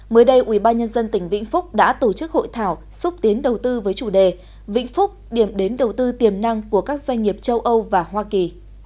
mới đây ubnd tỉnh vĩnh phúc đã tổ chức hội thảo xúc tiến đầu tư với chủ đề vĩnh phúc điểm đến đầu tư tiềm năng của các doanh nghiệp châu âu và hoa kỳ